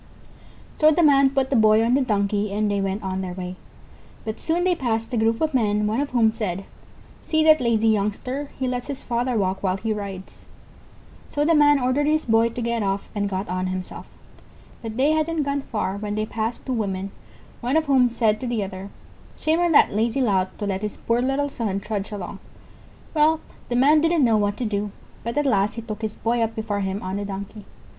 So the Man put the Boy on the Donkey and they went on their way. But soon they passed a group of men, one of whom said: "See that lazy youngster, he lets his father walk while he rides." So the Man ordered his Boy to get off, and got on himself. But they hadn't gone far when they passed two women, one of whom said to the other: "Shame on that lazy lout to let his poor little son trudge along." Well, the Man didn't know what to do, but at last he took his Boy up before him on the Donkey.